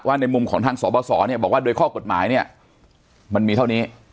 ในมุมของทางสบสเนี่ยบอกว่าโดยข้อกฎหมายเนี่ยมันมีเท่านี้